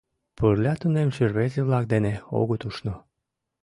Пырля тунемше рвезе-влак дене огыт ушно.